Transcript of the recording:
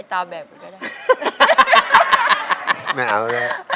ไอ้ตาแบกมันก็ได้